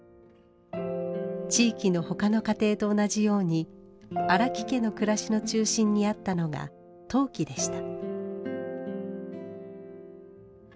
地域のほかの家庭と同じように荒木家の暮らしの中心にあったのが陶器でした。